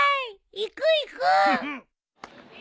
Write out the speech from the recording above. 行く行く！